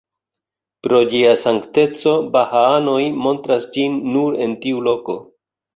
Pro ĝia sankteco bahaanoj montras ĝin nur en tiu loko.